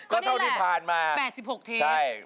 ก็เท่านี้ละ๘๖เทปแป๊บเพียง